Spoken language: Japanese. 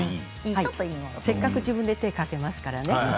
せっかく自分で手をかけますからね。